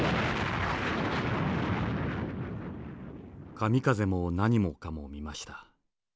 「神風も何もかも見ました。